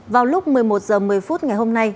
vào lúc một mươi một h một mươi phút ngày hôm nay